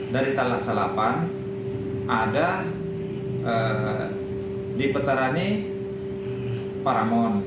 dari talasalabang ada di petarani paramon